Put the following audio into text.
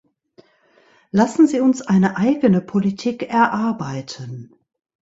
Lassen Sie uns eine eigene Politik erarbeiten.